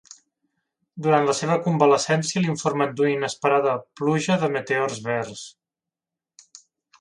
Durant la seva convalescència l'informen d'una inesperada pluja de meteors verds.